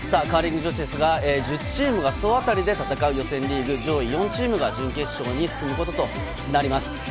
カーリング女子、チームが総当たりで戦う予選リーグ、上位４チームが準決勝に進むこととなります。